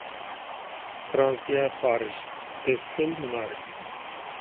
فىرانسىيە پارىژ ئېففېل مۇنارى